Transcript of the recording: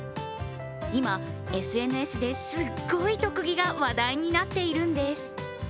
今ＳＮＳですっごい特技が話題になっているんです。